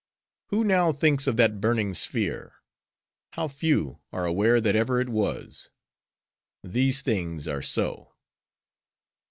Who now thinks of that burning sphere? How few are aware that ever it was? "'These things are so.